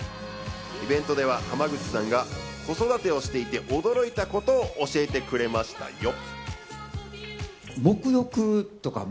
イベントでは濱口さんが子育てをしていて驚いたことを教えてくれましたよ。